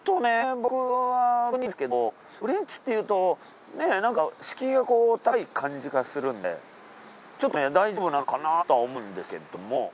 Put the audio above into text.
僕は貧乏人なんですけどフレンチっていうとなんか敷居が高い感じがするんでちょっとね大丈夫なのかなとは思うんですけども。